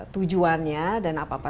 tujuannya dan apa apa